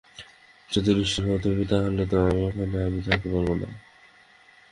যদি নিষ্ঠুর হও তুমি, তা হলে তো এখানে আমি থাকতে পারব না।